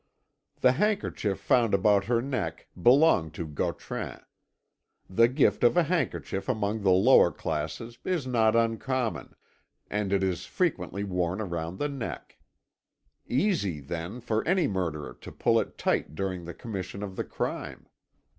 "The handkerchief found about her neck belonged to Gautran. The gift of a handkerchief among the lower classes is not uncommon, and it is frequently worn round the neck. Easy, then, for any murderer to pull it tight during the commission of the crime.